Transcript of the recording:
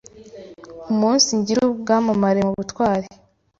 umunsigira ubwamamare mu butwari: